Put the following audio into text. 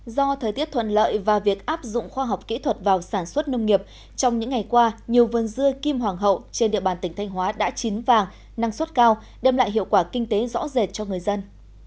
do thời tiết thuận lợi và việc áp dụng khoa học kỹ thuật vào sản xuất nông nghiệp trong những ngày qua nhiều vườn dưa kim hoàng hậu trên địa bàn tỉnh thanh hóa đã chín vàng năng suất cao đem lại hiệu quả kinh tế rõ rệt cho người dân